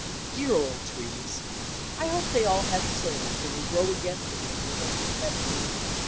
Dear old trees! I hope they all had souls and will grow again for me on the hills of Heaven.